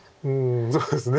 そうですね。